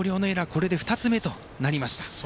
これで２つ目となりました。